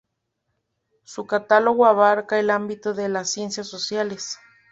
Su catálogo abarca el ámbito de las ciencias sociales.